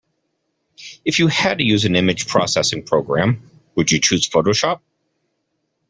If you had to use an image processing program, would you choose Photoshop?